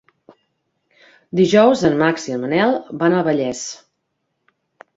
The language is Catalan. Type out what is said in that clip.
Dijous en Max i en Manel van a Vallés.